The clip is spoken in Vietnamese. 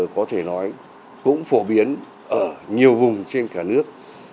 có thể nói cũng phổ biến ở nhiều vùng trên cả nước